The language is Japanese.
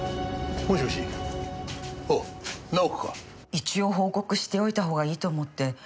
一応報告しておいた方がいいと思って。